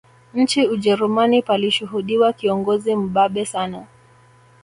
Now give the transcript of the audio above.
Nchini Ujerumani palishuhudiwa kiongozi mbabe sana